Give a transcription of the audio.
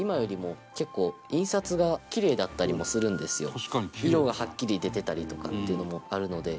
これに色がはっきり出てたりとかっていうのもあるので。